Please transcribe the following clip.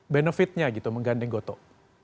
benefitnya gitu mengganding gotoh